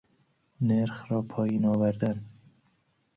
نرخ را پائین آوردن